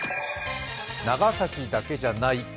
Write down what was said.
長崎だけじゃない！